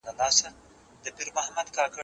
سیر وکړه،